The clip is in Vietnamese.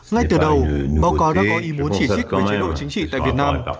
ngay từ đầu báo cáo đã có ý muốn chỉ trích về chế độ chính trị tại việt nam